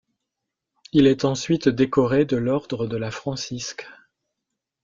Il est ensuite décoré de l'ordre de la Francisque.